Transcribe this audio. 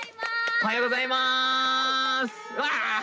おはようございます。